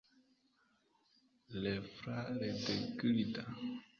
le frère de Gilda